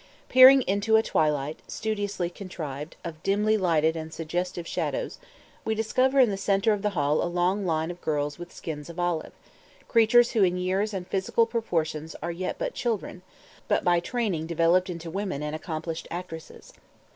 Peering into a twilight, studiously contrived, of dimly lighted and suggestive shadows, we discover in the centre of the hall a long line of girls with skins of olive, creatures who in years and physical proportions are yet but children, but by training developed into women and accomplished actresses.